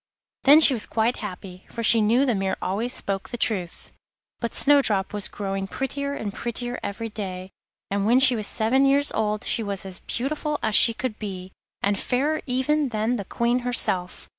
Then she was quite happy, for she knew the mirror always spoke the truth. But Snowdrop was growing prettier and prettier every day, and when she was seven years old she was as beautiful as she could be, and fairer even than the Queen herself.